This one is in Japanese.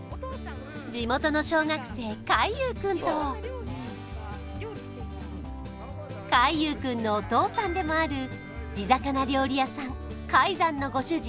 地元の小学生海裕君と海裕君のお父さんでもある地魚料理屋さん海山のご主人